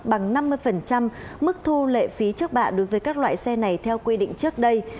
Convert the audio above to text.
bằng năm mươi mức thu lệ phí trước bạ đối với các loại xe này theo quy định trước đây